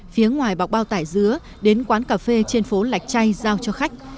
phía ngoài bọc bao tải dứa đến quán cà phê trên phố lạch chay giao cho khách